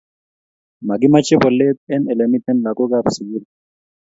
Makimache polet en elemiten lakoka ab sukul